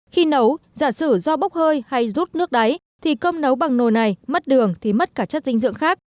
khi nấu giả sử do bốc hơi hay rút nước đáy thì cơm nấu bằng nồi này mất đường thì mất cả chất dinh dưỡng khác